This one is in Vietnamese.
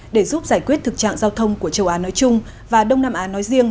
để giúp giải quyết thực trạng giao thông của châu á nói chung và đông nam á nói riêng